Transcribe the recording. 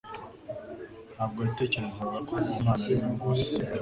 Ntabwo yatekerezaga ko uwo Mwana ari we Mose